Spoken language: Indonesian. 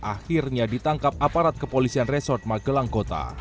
akhirnya ditangkap aparat kepolisian resort magelang kota